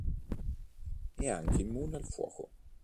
È anche immune al fuoco.